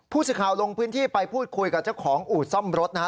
ผู้สื่อข่าวลงพื้นที่ไปพูดคุยกับเจ้าของอู่ซ่อมรถนะฮะ